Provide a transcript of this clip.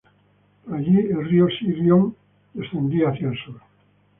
Por allí el río Sirion descendía hacia el sur.